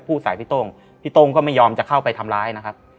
ใส่พี่โต้งพี่โต้งก็ไม่ยอมจะเข้าไปทำร้ายนะครับ